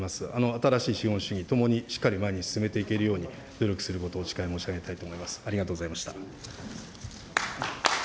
新しい資本主義、改めてしっかり前に進めていけるように、努力することをお誓い申し上げたいと思います。